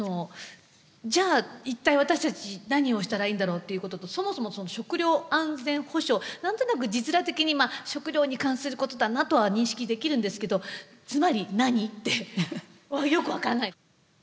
「じゃあ一体私たち何をしたらいいんだろう」ということとそもそも「食料安全保障」何となく字面的に「食料に関することだな」とは認識できるんですけど「つまり何？」ってよく分からない。